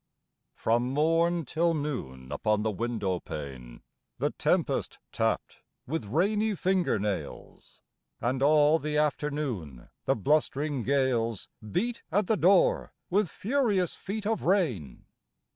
From morn till noon upon the window pane The tempest tapped with rainy finger nails, And all the afternoon the blustering gales Beat at the door with furious feet of rain.